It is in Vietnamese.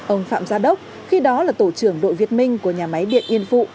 ông phạm gia đốc khi đó là tổ trưởng đội việt minh của nhà máy điện yên phụ